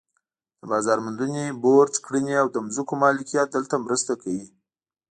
د بازار موندنې بورډ کړنې او د ځمکو مالکیت دلته مرسته کوي.